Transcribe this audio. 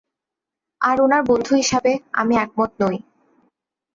আর উনার বন্ধু হিসাবে, আমি একমত নই।